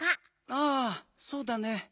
ああそうだね。